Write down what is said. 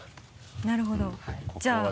なるほどじゃあ。